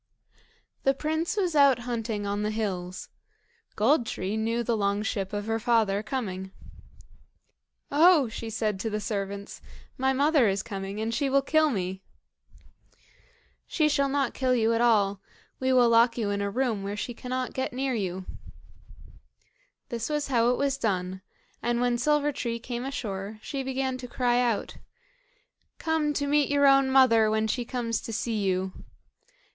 The prince was out hunting on the hills. Gold tree knew the long ship of her father coming. "Oh!" she said to the servants, "my mother is coming, and she will kill me." "She shall not kill you at all; we will lock you in a room where she cannot get near you." This is how it was done; and when Silver tree came ashore, she began to cry out: "Come to meet your own mother, when she comes to see you."